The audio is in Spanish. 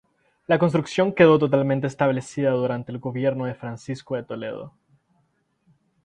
La construcción quedó totalmente establecida durante el gobierno de Francisco de Toledo.